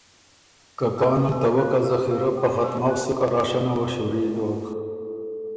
که کان ال ته وک ا ذخیرۀ په ختمؤ سُک ا راشنه وه شُوري دوک